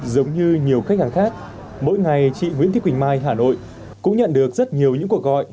giống như nhiều khách hàng khác mỗi ngày chị nguyễn thị quỳnh mai hà nội cũng nhận được rất nhiều những cuộc gọi